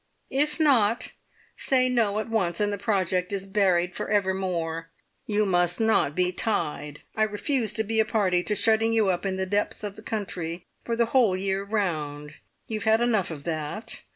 If not, say no at once, and the project is buried for evermore. You must not be tied. I refuse to be a party to shutting you up in the depths of the country for the whole year round. You have had enough of that.